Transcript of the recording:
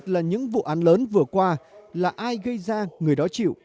là những vụ án lớn vừa qua là ai gây ra người đó chịu